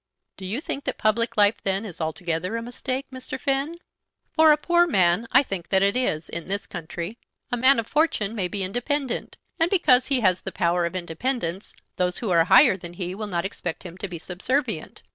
"Do you think that public life then is altogether a mistake, Mr. Finn?" "For a poor man I think that it is, in this country. A man of fortune may be independent; and because he has the power of independence those who are higher than he will not expect him to be subservient.